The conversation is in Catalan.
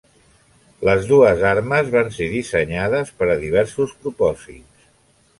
Les dues armes van ser dissenyades per a diversos propòsits.